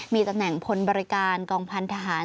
มีตำแหน่งพลบริการกองพันธหาร